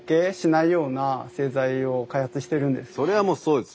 それはもうそうですよね。